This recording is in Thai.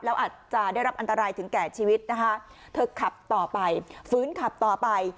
แล้วอาจจะได้รับอันตรายถึงแก่ชีวิตนะคะเธอขับต่อไปฟื้นขับต่อไป